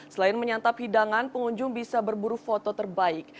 selain menyantap hidangan pengunjung bisa berburu foto terbaik